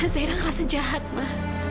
zaira ngerasa jahat ma